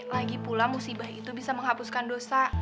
lagipula musibah itu bisa menghapuskan dosa